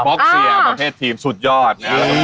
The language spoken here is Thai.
อ่าป็อกเซียร์ประเภททีมสุดยอด